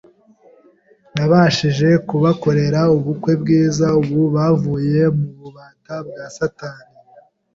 nabashije kubakorera ubukwe bwiza ubu bavuye mu bubata bwa satani